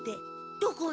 どこに？